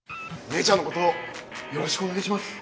姉ちゃんのことよろしくお願いします。